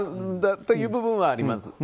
そういう部分はあります。